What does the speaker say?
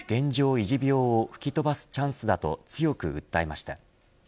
維持病を吹き飛ばすチャンスだと強く訴えました。